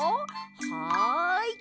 はい！